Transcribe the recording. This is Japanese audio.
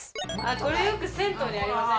これよく銭湯にありません？